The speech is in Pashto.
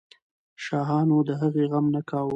شاهانو د هغې غم نه کاوه.